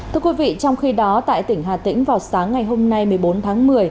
thưa quý vị trong khi đó tại tỉnh hà tĩnh vào sáng ngày hôm nay một mươi bốn tháng một mươi